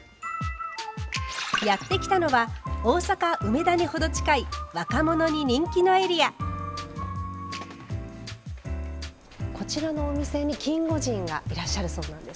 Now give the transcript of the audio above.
やって来たのは大阪、梅田にほど近いこちらのお店にキンゴジンがいらっしゃるそうなんです。